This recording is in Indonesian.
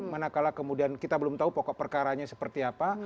manakala kemudian kita belum tahu pokok perkaranya seperti apa